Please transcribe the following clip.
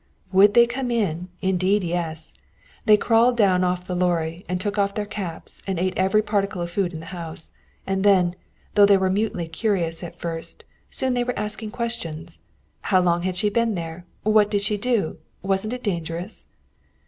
Would they come in? Indeed, yes! They crawled down off the lorry, and took off their caps, and ate every particle of food in the house. And, though they were mutely curious at first, soon they were asking questions. How long had she been there? What did she do? Wasn't it dangerous?